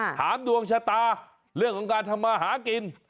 ดวงชะตาเรื่องของการทำมาหากิน